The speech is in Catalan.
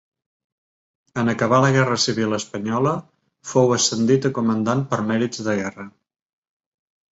En acabar la guerra civil espanyola fou ascendit a comandant per mèrits de guerra.